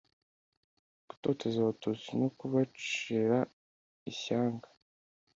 Gutoteza abatutsi no kubacira ishyanga